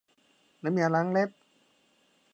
น้ำยาล้างเล็บ